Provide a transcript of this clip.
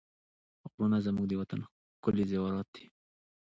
غرونه زموږ د وطن ښکلي زېورات دي.